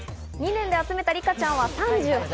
２年で集めたリカちゃんは３８体。